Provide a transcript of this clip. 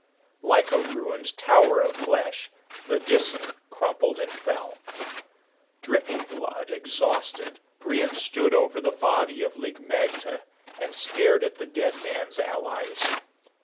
Like a ruined tower of flesh, the Disan crumpled and fell. Dripping blood, exhausted, Brion stood over the body of Lig magte and stared at the dead man's allies.